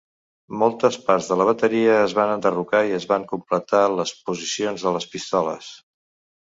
Moltes parts de la bateria es van enderrocar i es van completar les posicions de les pistoles.